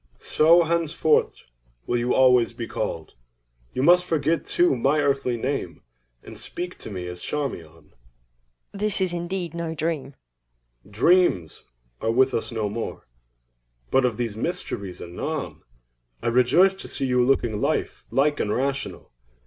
CHARMION. So henceforward will you always be called. You must forget too, my earthly name, and speak to me as Charmion. EIROS. This is indeed no dream! CHARMION. Dreams are with us no more; but of these mysteries anon. I rejoice to see you looking life like and rational.